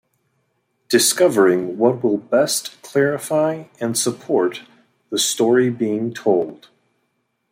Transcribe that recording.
Discovering what will best clarify and support the story being told.